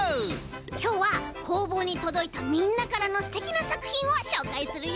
きょうはこうぼうにとどいたみんなからのすてきなさくひんをしょうかいするよ！